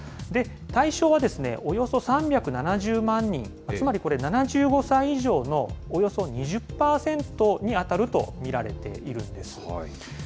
対象は、およそ３７０万人、つまりこれ、７５歳以上のおよそ２０％に当たると見られているんです。